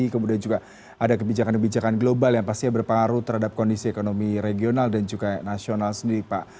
kemudian juga ada kebijakan kebijakan global yang pastinya berpengaruh terhadap kondisi ekonomi regional dan juga nasional sendiri pak